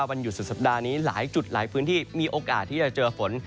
วันหยุดสุดสัปดาห์นี้หลายจุดหลายพื้นที่มีโอกาสที่จะเจอฝน